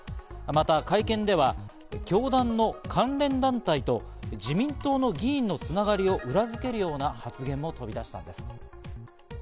また会見では教団の関連団体と自民党の議員のつながりを裏付けるような発言も飛び出したんです。